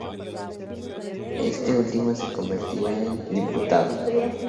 Este último se convertiría en Diputado.